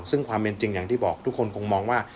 ซึ่งความเป็นจริงอย่างที่บอกทุกคนคงมองว่า